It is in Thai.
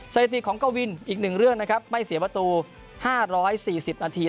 สถิติของเกาวินอีกหนึ่งเรื่องนะครับไม่เสียประตูห้าร้อยสี่สิบนาที